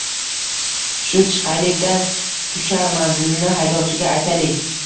Shu chiqaylik-da, tushar manzilini haydovchiga aytaylik.